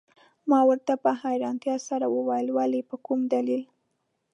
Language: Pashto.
ما ورته په حیرانتیا سره وویل: ولي، په کوم دلیل؟